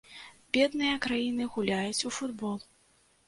Бедныя краіны гуляюць у футбол.